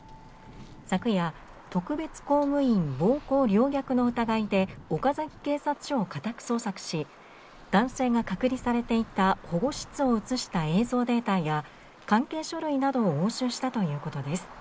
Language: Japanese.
昨夜、特別公務員暴行陵虐の疑いで岡崎警察署を家宅捜索し、男性が隔離されていた保護室を映した映像データや関係書類などを押収したということです。